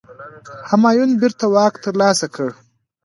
همایون بیرته واک ترلاسه کړ.